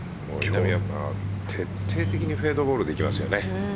徹底的にフェードボールでいきますよね。